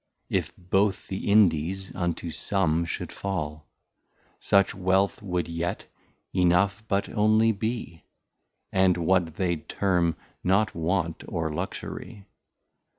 If both the Indies unto some should fall, Such Wealth would yet Enough but onely be, And what they'd term not Want, or Luxury.